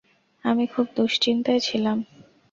আমি খুব দুশ্চিন্তায় ছিলাম।